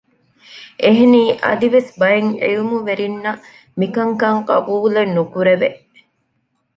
އެހެނީ އަދިވެސް ބައެއް ޢިލްމުވެރިންނަށް މިކަންކަން ޤަބޫލެއް ނުކުރެވެ